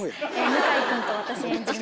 向井君と私演じる